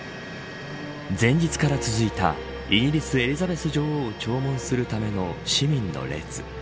前日から続いたイギリス、エリザベス女王を弔問するための市民の列。